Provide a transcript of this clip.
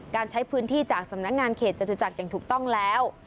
การใช้พื้นที่จากสำนักงานเขตจตุจักรอย่างถูกต้องแล้ว